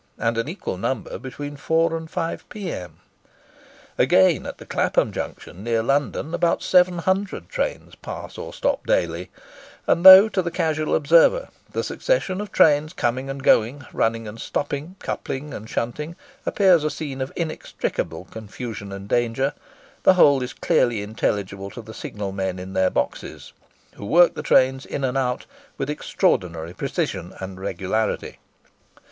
and an equal number between 4 and 5 P.M. Again, at the Clapham Junction, near London, about 700 trains pass or stop daily; and though to the casual observer the succession of trains coming and going, running and stopping, coupling and shunting, appears a scene of inextricable confusion and danger, the whole is clearly intelligible to the signalmen in their boxes, who work the trains in and out with extraordinary precision and regularity.